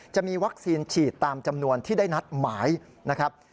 จะมีวัคซีนฉีดตามจำนวนที่ได้นัดหมายนะครับ